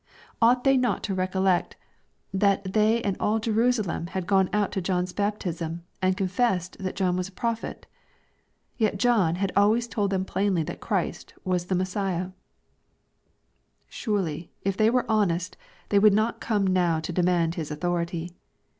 Ought the^ LUKE, CHAP. XX. 321 not to recollect that they and all Jerusalem had gone out to John's baptism, and confessed that John was a pro phet ? Yet John had alwa^ told them plainly that Christ was the Messiah 1 Surely, if they were honest they would not come now to demand His authority.